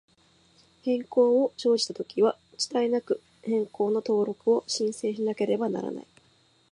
変更を生じたときは、遅滞なく、変更の登録を申請しなければならない。